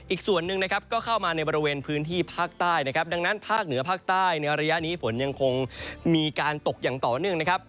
อีกส่วนหนึ่งนะครับก็เข้ามาในบริเวณพื้นที่ภาคใต้นะครับดังนั้นภาคเหนือภาคใต้ในระยะนี้ฝนยังคงมีการตกอย่างต่อเนื่องนะครับ